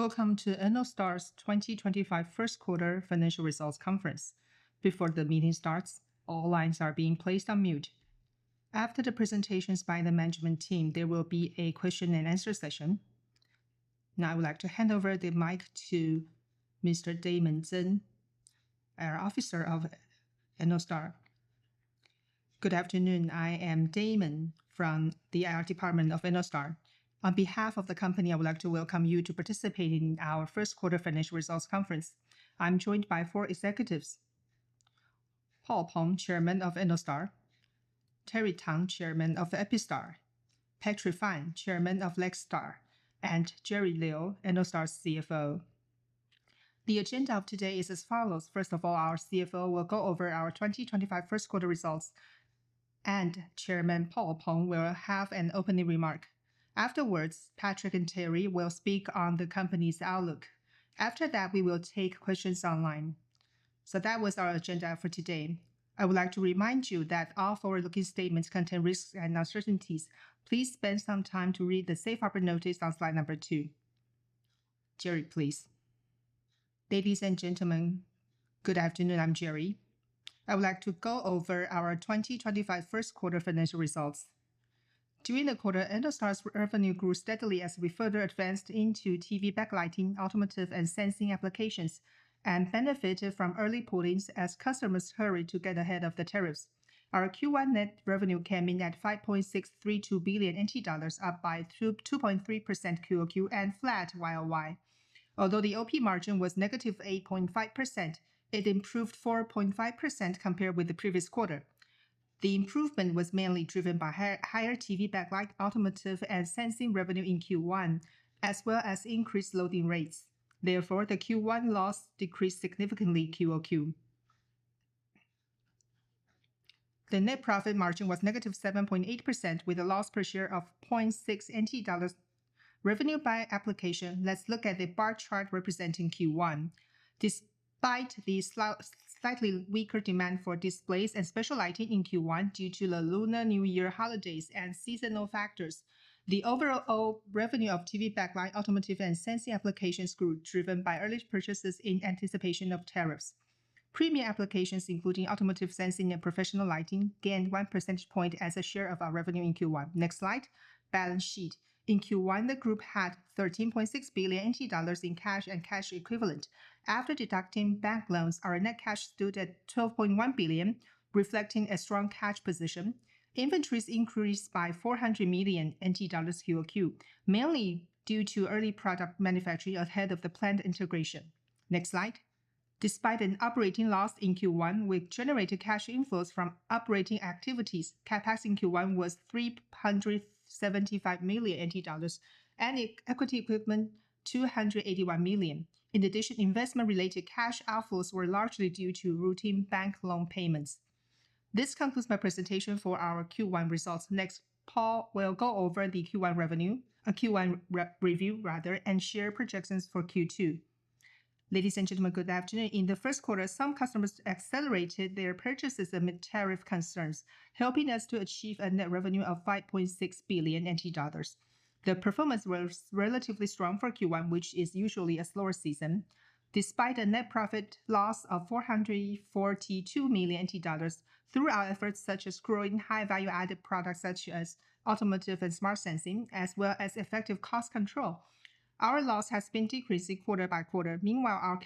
Welcome to Ennostar's 2025 Q1 Financial Results Conference. Before the meeting starts, all lines are being placed on mute. After the presentations by the management team, there will be a question-and-answer session. Now, I would like to hand over the mic to Mr. Damon Tzeng, IR Officer of Ennostar. Good afternoon. I am Damon from the IR Department of Ennostar. On behalf of the company, I would like to welcome you to participate in our Q1 Financial Results Conference. I'm joined by four executives: Paul Peng, Chairman of Ennostar; Terry Tang, Chairman of Epistar; Patrick Fan, Chairman of Lextar; and Jerry Liu, Ennostar's CFO. The agenda of today is as follows. First of all, our CFO will go over our 2025 Q1 results, and Chairman Paul Peng will have an opening remark. Afterwards, Patrick and Terry will speak on the company's outlook. After that, we will take questions online. So that was our agenda for today. I would like to remind you that all forward-looking statements contain risks and uncertainties. Please spend some time to read the safe harbor notice on slide number two. Jerry, please. Ladies and gentlemen, good afternoon. I'm Jerry. I would like to go over our 2025 Q1 financial results. During the quarter, Ennostar's revenue grew steadily as we further advanced into TV backlighting, automotive, and sensing applications, and benefited from early poolings as customers hurried to get ahead of the tariffs. Our Q1 net revenue came in at TWD 5.632 billion, up by 2.3% quarter-over-quarter and flat year-over-year. Although the OP margin was -8.5%, it improved 4.5% compared with the previous quarter. The improvement was mainly driven by higher TV backlight, automotive, and sensing revenue in Q1, as well as increased loading rates. Therefore, the Q1 loss decreased significantly quarter-over-quarter. The net profit margin was negative 7.8%, with a loss per share of 0.60 NT dollars. Revenue by application. Let's look at the bar chart representing Q1. Despite the slightly weaker demand for displays and special lighting in Q1 due to the Lunar New Year holidays and seasonal factors, the overall revenue of TV backlight, automotive, and sensing applications grew driven by early purchases in anticipation of tariffs. Premier applications, including automotive, sensing, and professional lighting, gained one percentage point as a share of our revenue in Q1. Next slide. Balance sheet. In Q1, the group had 13.6 billion NT dollars in cash and cash equivalents. After deducting bank loans, our net cash stood at 12.1 billion, reflecting a strong cash position. Inventories increased by 400 million NT dollars quarter-over-quarter mainly due to early product manufacturing ahead of the planned integration. Next slide. Despite an operating loss in Q1, we generated cash inflows from operating activities. CapEx in Q1 was 375 million NT dollars, and equity equipment 281 million. In addition, investment-related cash outflows were largely due to routine bank loan payments. This concludes my presentation for our Q1 results. Next, Paul will go over the Q1 review, rather, and share projections for Q2. Ladies and gentlemen, good afternoon. In the Q1, some customers accelerated their purchases amid tariff concerns, helping us to achieve a net revenue of 5.6 billion NT dollars. The performance was relatively strong for Q1, which is usually a slower season. Despite a net profit loss of 442 million NT dollars through our efforts, such as growing high-value-added products such as automotive and smart sensing, as well as effective cost control, our loss has been decreasing quarter by quarter. Meanwhile, our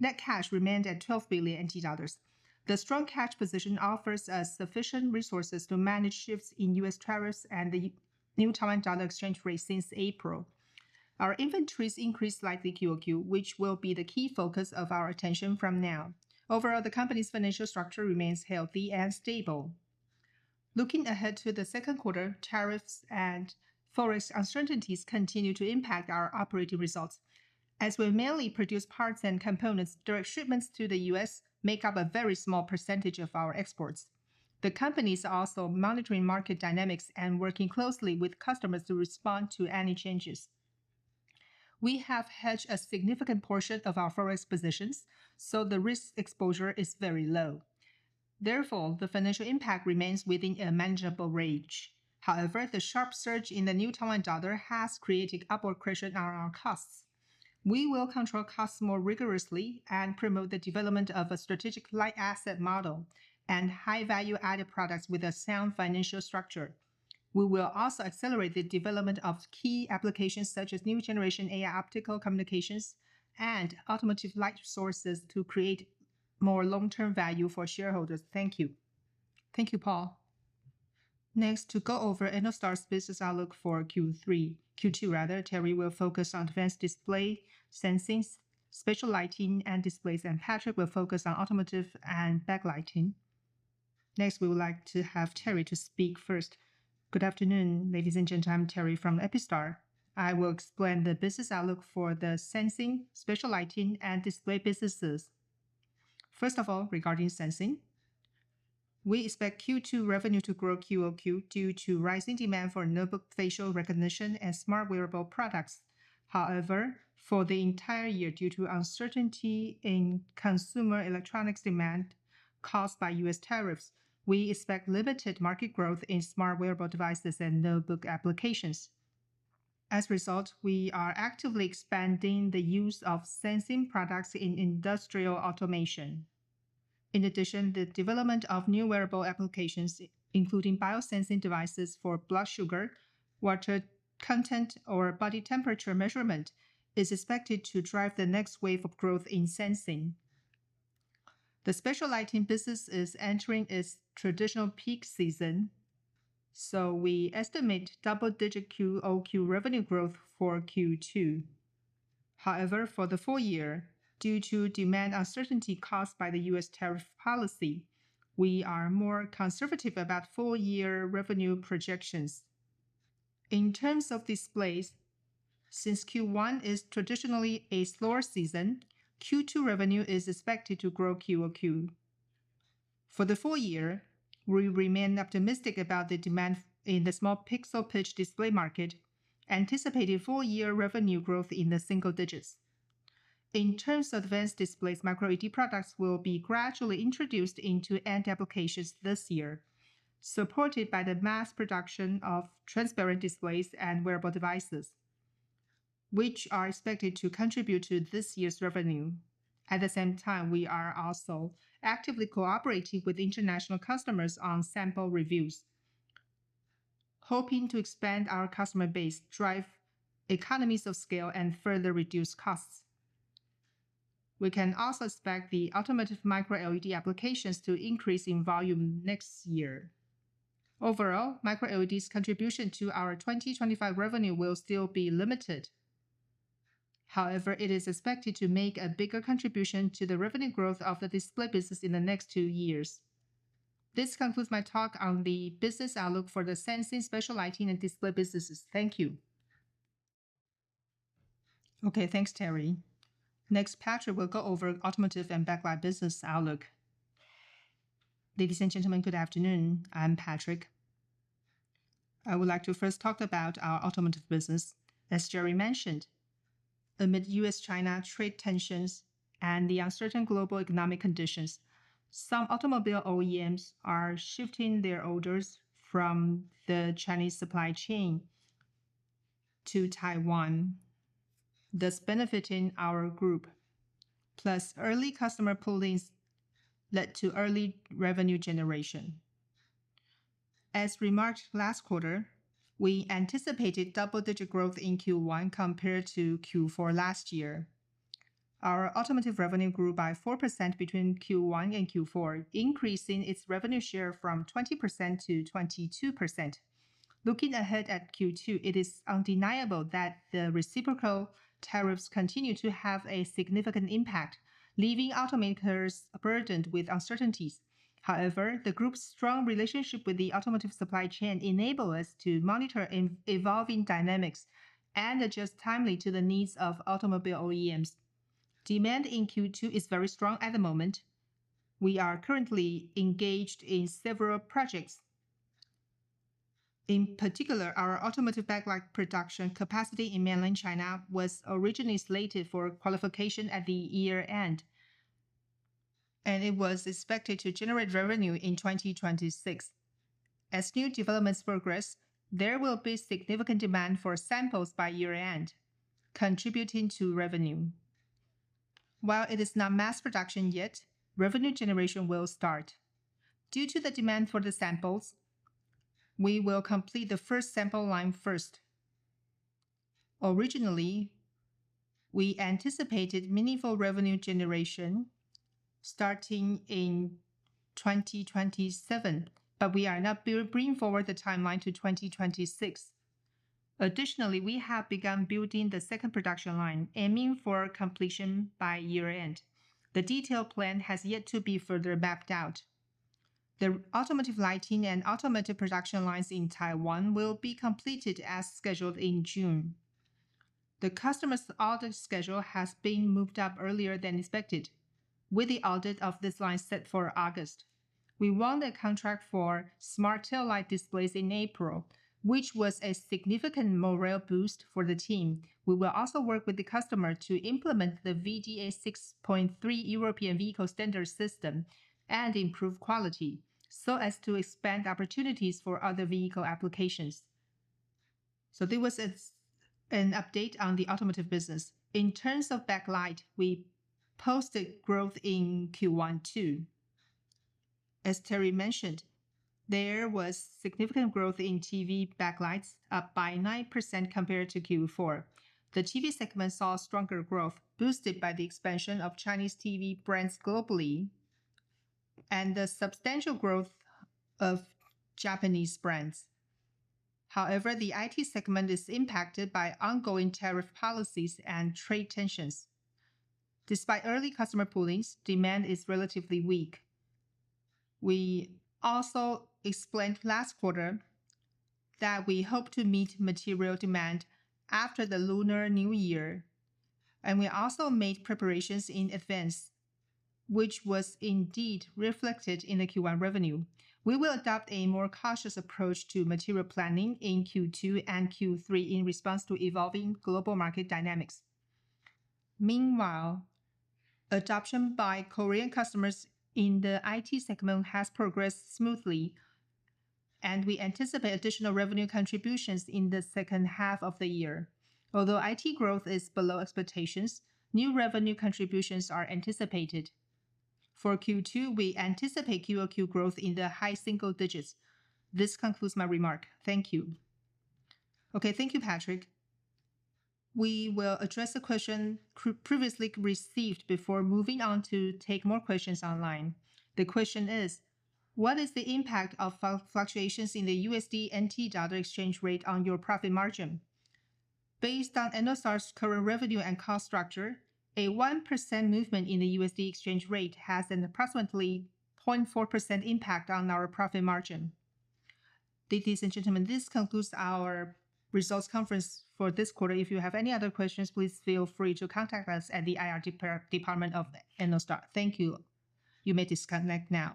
net cash remained at 12 billion NT dollars. The strong cash position offers us sufficient resources to manage shifts in U.S. tariffs and the New Taiwan dollar exchange rate since April. Our inventories increased slightly quarter-over-quarter which will be the key focus of our attention from now. Overall, the company's financial structure remains healthy and stable. Looking ahead to the second quarter, tariffs and forex uncertainties continue to impact our operating results. As we mainly produce parts and components, direct shipments to the U.S. make up a very small percentage of our exports. The company is also monitoring market dynamics and working closely with customers to respond to any changes. We have hedged a significant portion of our forex positions, so the risk exposure is very low. Therefore, the financial impact remains within a manageable range. However, the sharp surge in the New Taiwan dollar has created upward pressure on our costs. We will control costs more rigorously and promote the development of a strategic light asset model and high-value-added products with a sound financial structure. We will also accelerate the development of key applications such as new generation AI optical communications and automotive light sources to create more long-term value for shareholders. Thank you. Thank you, Paul. Next, to go over Ennostar's business outlook for Q2, rather, Terry will focus on advanced display, sensing, special lighting, and displays, and Patrick will focus on automotive and backlighting. Next, we would like to have Terry to speak first. Good afternoon, ladies and gentlemen. I'm Terry from Epistar. I will explain the business outlook for the sensing, special lighting, and display businesses. First of all, regarding sensing, we expect Q2 revenue to grow quarter-over-quarter due to rising demand for notebook facial recognition and smart wearable products. However, for the entire year, due to uncertainty in consumer electronics demand caused by U.S. tariffs, we expect limited market growth in smart wearable devices and notebook applications. As a result, we are actively expanding the use of sensing products in industrial automation. In addition, the development of new wearable applications, including biosensing devices for blood sugar, water content, or body temperature measurement, is expected to drive the next wave of growth in sensing. The special lighting business is entering its traditional peak season, so we estimate double-digit quarter-over-quarter revenue growth for Q2. However, for the full year, due to demand uncertainty caused by the U.S. tariff policy, we are more conservative about full-year revenue projections. In terms of displays, since Q1 is traditionally a slower season, Q2 revenue is expected to grow quarter-over-quarter. For the full year, we remain optimistic about the demand in the small pixel pitch display market, anticipating full-year revenue growth in the single digits. In terms of advanced displays, microLED products will be gradually introduced into end applications this year, supported by the mass production of transparent displays and wearable devices, which are expected to contribute to this year's revenue. At the same time, we are also actively cooperating with international customers on sample reviews, hoping to expand our customer base, drive economies of scale, and further reduce costs. We can also expect the automotive microLED applications to increase in volume next year. Overall, microLED's contribution to our 2025 revenue will still be limited. However, it is expected to make a bigger contribution to the revenue growth of the display business in the next two years. This concludes my talk on the business outlook for the sensing, special lighting, and display businesses. Thank you. Okay, thanks, Terry. Next, Patrick will go over automotive and backlight business outlook. Ladies and gentlemen, good afternoon. I'm Patrick. I would like to first talk about our automotive business. As Jerry mentioned, amid U.S.-China trade tensions and the uncertain global economic conditions, some automobile OEMs are shifting their orders from the Chinese supply chain to Taiwan, thus benefiting our group. Plus, early customer poolings led to early revenue generation. As remarked last quarter, we anticipated double-digit growth in Q1 compared to Q4 last year. Our automotive revenue grew by 4% between Q1 and Q4, increasing its revenue share from 20%-22%. Looking ahead at Q2, it is undeniable that the reciprocal tariffs continue to have a significant impact, leaving automakers burdened with uncertainties. However, the group's strong relationship with the automotive supply chain enables us to monitor evolving dynamics and adjust timely to the needs of automobile OEMs. Demand in Q2 is very strong at the moment. We are currently engaged in several projects. In particular, our automotive backlight production capacity in mainland China was originally slated for qualification at the year-end, and it was expected to generate revenue in 2026. As new developments progress, there will be significant demand for samples by year-end, contributing to revenue. While it is not mass production yet, revenue generation will start. Due to the demand for the samples, we will complete the first sample line first. Originally, we anticipated meaningful revenue generation starting in 2027, but we are now bringing forward the timeline to 2026. Additionally, we have begun building the second production line, aiming for completion by year-end. The detailed plan has yet to be further mapped out. The automotive lighting and automotive production lines in Taiwan will be completed as scheduled in June. The customer's audit schedule has been moved up earlier than expected, with the audit of this line set for August. We won a contract for smart taillight displays in April, which was a significant morale boost for the team. We will also work with the customer to implement the VDA 6.3 European vehicle standard system and improve quality so as to expand opportunities for other vehicle applications, so there was an update on the automotive business. In terms of backlight, we posted growth in Q1 too. As Terry mentioned, there was significant growth in TV backlights, up by 9% compared to Q4. The TV segment saw stronger growth, boosted by the expansion of Chinese TV brands globally and the substantial growth of Japanese brands. However, the IT segment is impacted by ongoing tariff policies and trade tensions. Despite early customer poolings, demand is relatively weak. We also explained last quarter that we hope to meet material demand after the Lunar New Year, and we also made preparations in advance, which was indeed reflected in the Q1 revenue. We will adopt a more cautious approach to material planning in Q2 and Q3 in response to evolving global market dynamics. Meanwhile, adoption by Korean customers in the IT segment has progressed smoothly, and we anticipate additional revenue contributions in the second half of the year. Although IT growth is below expectations, new revenue contributions are anticipated. For Q2, we anticipate quarter-over-quarter growth in the high single digits. This concludes my remark. Thank you. Okay, thank you, Patrick. We will address a question previously received before moving on to take more questions online. The question is, what is the impact of fluctuations in the USD NT dollar exchange rate on your profit margin? Based on Ennostar's current revenue and cost structure, a 1% movement in the USD exchange rate has an approximately 0.4% impact on our profit margin. Ladies and gentlemen, this concludes our results conference for this quarter. If you have any other questions, please feel free to contact us at the IR Department of Ennostar. Thank you. You may disconnect now.